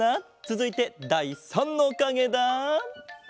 つづいてだい３のかげだ。